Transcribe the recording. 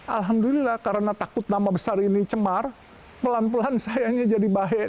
alhamdulillah karena takut nama besar ini cemar pelan pelan sayangnya jadi bahaya